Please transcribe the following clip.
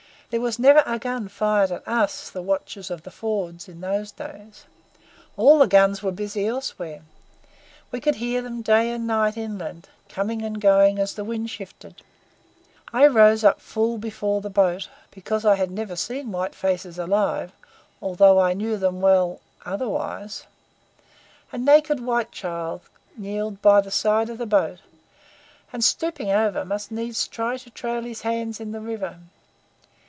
There was never a gun fired at us, the watchers of the fords in those days. All the guns were busy elsewhere. We could hear them day and night inland, coming and going as the wind shifted. I rose up full before the boat, because I had never seen white faces alive, though I knew them well otherwise. A naked white child kneeled by the side of the boat, and, stooping over, must needs try to trail his hands in the river.